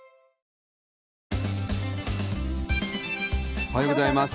おはようございます。